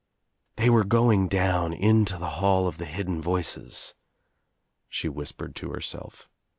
"They were going down into the hall of the hidden voices," she whispered to herself.